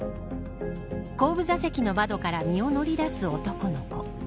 後部座席の窓から身を乗り出す男の子。